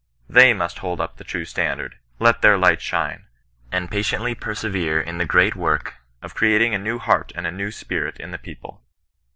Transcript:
They must hold up the true standard, let their light shine, and patiently persevere in the great work of creating a new heart and a new spirit in the people.